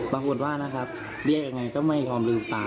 ปรากฏว่านะครับเรียกยังไงก็ไม่ยอมลืมตา